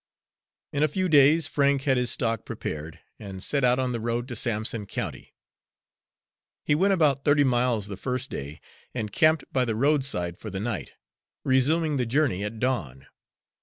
In a few days Frank had his stock prepared, and set out on the road to Sampson County. He went about thirty miles the first day, and camped by the roadside for the night, resuming the journey at dawn.